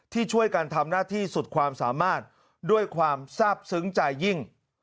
ที่ช่วยกันทำหน้าที่สุดความสามารถด้วยความทราบซึ้งใจยิ่ง